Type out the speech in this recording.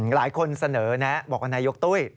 หลายคนเสนอแนะบอกว่านายกตุ้ย